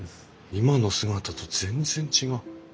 今の姿と全然違う。